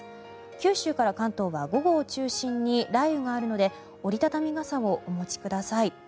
九州から関東は午後を中心に雷雨があるので折り畳み傘をお持ちください。